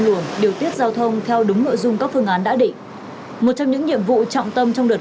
luồng điều tiết giao thông theo đúng nội dung các phương án đã định một trong những nhiệm vụ trọng